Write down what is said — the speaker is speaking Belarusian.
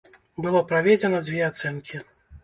Было праведзена дзве ацэнкі.